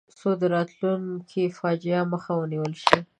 څو د راتلونکو فاجعو مخه ونیول شي.